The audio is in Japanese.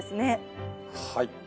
はい。